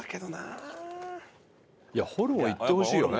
いやホルモンいってほしいよね。